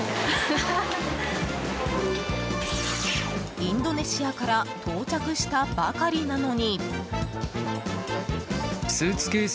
インドネシアから到着したばかりなのに。